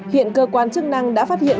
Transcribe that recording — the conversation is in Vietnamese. hiện cơ quan chức năng đã phát hiện